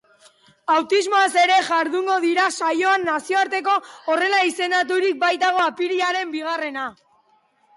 Autismoaz ere jardungo dira saioan, nazioartean horrela izendaturik baitago apirilaren bigarrena.